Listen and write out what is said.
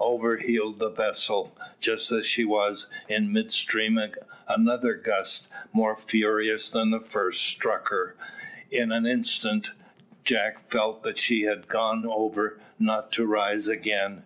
Over heeled the vessel. Just as she was in midstream another gust, more furious than the first, struck her. In an instant Jack felt that she had gone over not to rise again.